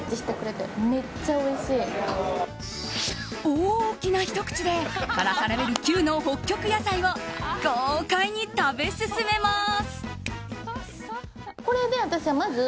大きなひと口で辛さレベル９の北極やさいを豪快に食べ進めます。